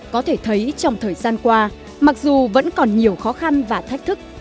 có thể thấy trong thời gian qua mặc dù vẫn còn nhiều khó khăn và thách thức